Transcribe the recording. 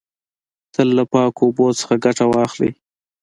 تل له پاکو اوبو څخه ګټه واخلی.